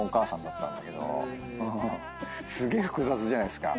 すげえ複雑じゃないですか。